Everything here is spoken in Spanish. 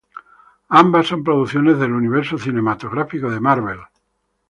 Ambas son producciones del Universo cinematográfico de Marvel.